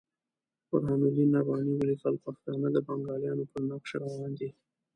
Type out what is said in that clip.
برهان الدین رباني ولیکل پښتانه د بنګالیانو پر نقش روان دي.